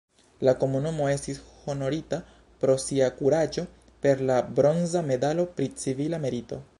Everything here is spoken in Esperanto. La komunumo estis honorita pro sia kuraĝo per la bronza medalo pri civila merito.